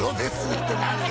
って何よ！